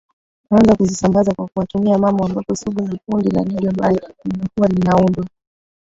kuanza kuzisambaza kwa kuwatumia Mamu ambapo Sugu na Kundi la nigga mbaya lililokuwa linaundwa